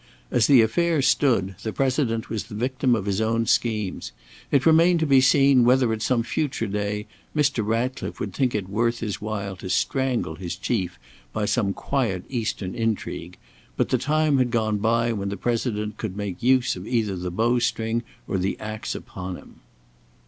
As the affair stood, the President was the victim of his own schemes. It remained to be seen whether, at some future day, Mr. Ratcliffe would think it worth his while to strangle his chief by some quiet Eastern intrigue, but the time had gone by when the President could make use of either the bow string or the axe upon him.